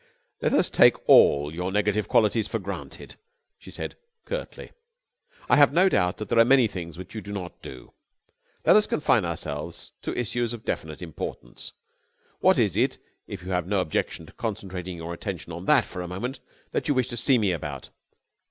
"Let us take all your negative qualities for granted," she said curtly. "I have no doubt that there are many things which you do not do. Let us confine ourselves to issues of definite importance. What is it, if you have no objection to concentrating your attention on that for a moment, that you wish to see me about?"